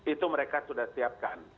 itu mereka sudah siapkan